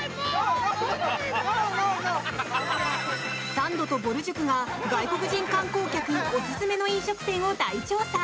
サンドとぼる塾が外国人観光客オススメの飲食店を大調査。